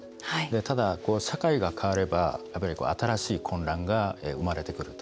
ただ、社会が変われば新しい混乱が生まれてくると。